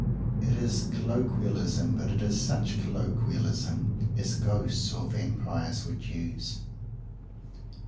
It is colloquialism; but it is such colloquialism as ghosts or vampires would use.